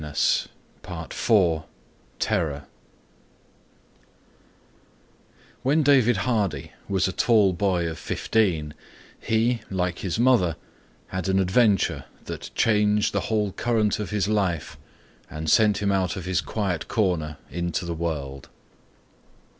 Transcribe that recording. TERROR PART FOUR When David Hardy was a tall boy of fifteen, he, like his mother, had an adventure that changed the whole current of his life and sent him out of his quiet corner into the world.